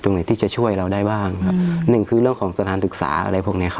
ไหนที่จะช่วยเราได้บ้างครับหนึ่งคือเรื่องของสถานศึกษาอะไรพวกเนี้ยครับ